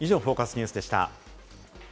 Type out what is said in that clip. ニュースでした。